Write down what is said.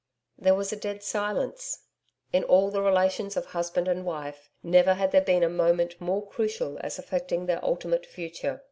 There was a dead silence. In all the relations of husband and wife, never had there been a moment more crucial as affecting their ultimate future.